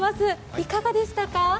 いかがでしたか？